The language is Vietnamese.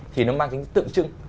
thì nó mang tính tượng trưng